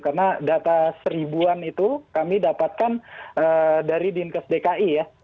karena data seribuan itu kami dapatkan dari dinkes dki ya